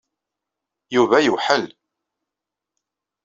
Yuba yewḥel.